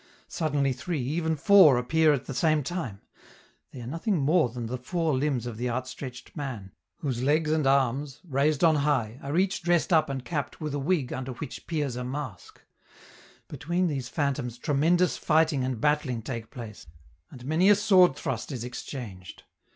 Suddenly three, even four, appear at the same time; they are nothing more than the four limbs of the outstretched man, whose legs and arms, raised on high, are each dressed up and capped with a wig under which peers a mask; between these phantoms tremendous fighting and battling take place, and many a sword thrust is exchanged.